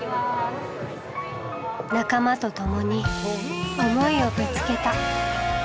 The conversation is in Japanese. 仲間とともに思いをぶつけた。